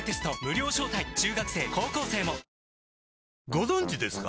ご存知ですか？